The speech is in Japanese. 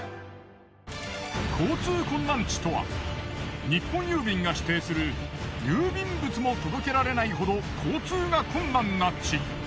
交通困難地とは日本郵便が指定する郵便物も届けられないほど交通が困難な地。